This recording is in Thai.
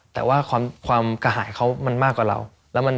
แต่ว่าความกระหายเขามันมากกว่าเรา